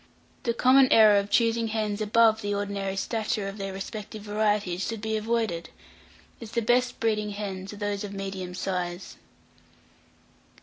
The common error of choosing hens above the ordinary stature of their respective varieties should be avoided, as the best breeding hens are those of medium size.